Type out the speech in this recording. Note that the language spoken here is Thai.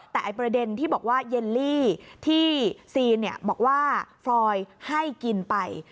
แต่ประเด็นที่บอกว่าเยลลี่ที่ซีนบอกว่าฟรอยให้กินไป